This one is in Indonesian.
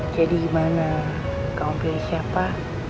jadi gimana kamu pilih siapa